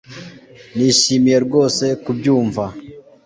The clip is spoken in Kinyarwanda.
Nishimiye rwose kubyumva